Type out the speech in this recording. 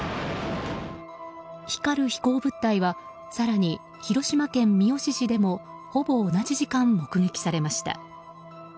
光る飛行物体は更に広島県三次市でもほぼ同じ時間、目撃されました。